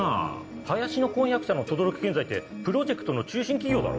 林の婚約者の等々力建材ってプロジェクトの中心企業だろ。